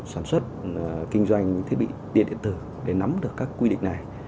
sản xuất kinh doanh những thiết bị điện tử để nắm được các quy định này